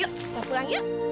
yuk balik pulang yuk